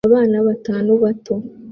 abana Batanu bato